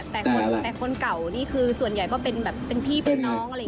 แต่คนเก่านี่คือส่วนใหญ่ก็เป็นแบบเป็นพี่เป็นน้อง